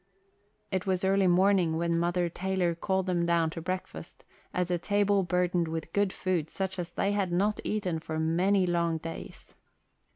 It was early morning when Mother Taylor called them down to breakfast at a table burdened with good food such as they had not eaten for many long days.